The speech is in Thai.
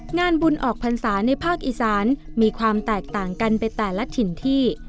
งานบุญออกพรรษาในภาคอีสานมีความแตกต่างกันไปแต่ละถิ่นที่